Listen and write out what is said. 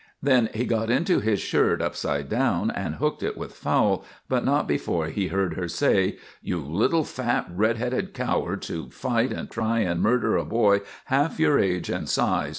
Then he got into his shirt upside down and hooked it with Fowle, but not before he heard her say: "You little, fat, red headed coward to fight and try and murder a boy half your age and size!